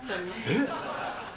えっ！